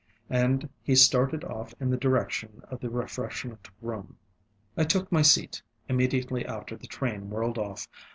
ŌĆØ And he started off in the direction of the refreshment room. I took my seat. Immediately after the train whirled off.